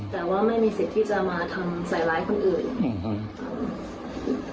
แต่ว่าไม่มีสิทธิ์ที่จะมาทำใส่ร้ายคนอื่นอืม